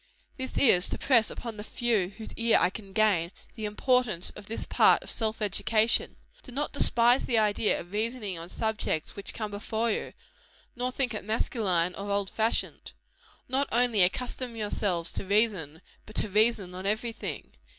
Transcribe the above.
This is, to press upon the few whose ear I can gain, the importance of this part of self education. Do not despise the idea of reasoning on subjects which come before you; nor think it masculine or old fashioned. Not only accustom yourselves to reason, but to reason on every thing.